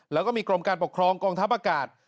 แล้วก็มีกรมการปกครองกองทัพอากาศ